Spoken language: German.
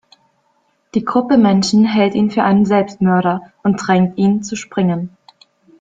Die Gruppe Menschen hält ihn für einen Selbstmörder und drängt ihn zu springen.